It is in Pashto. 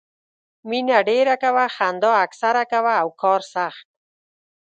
مینه ډېره کوه، خندا اکثر کوه او کار سخت.